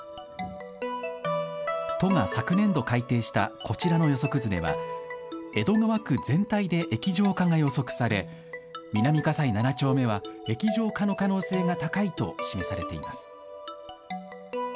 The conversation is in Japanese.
都が昨年度、改訂したこちらの予測図では江戸川区全体で液状化が予測され南葛西７丁目は液状化の可能性が高いと示されています。